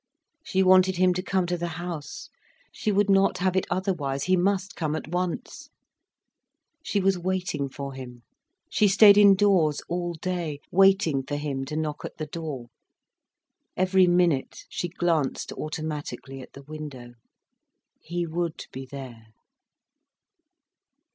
She wanted him to come to the house,—she would not have it otherwise, he must come at once. She was waiting for him. She stayed indoors all day, waiting for him to knock at the door. Every minute, she glanced automatically at the window. He would be there.